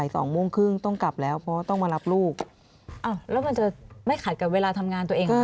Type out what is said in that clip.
สองโมงครึ่งต้องกลับแล้วเพราะต้องมารับลูกอ้าวแล้วมันจะไม่ขัดกับเวลาทำงานตัวเอง